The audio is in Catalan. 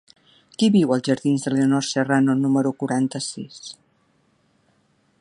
Qui viu als jardins de Leonor Serrano número quaranta-sis?